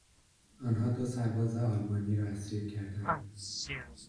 آنها دو سرباز آلمانی را اسیر کردند.